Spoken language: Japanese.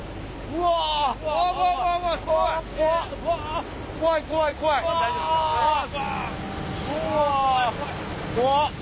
うわ怖っ。